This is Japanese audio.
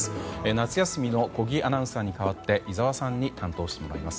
夏休みの小木アナウンサーに代わって井澤さんに担当してもらいます。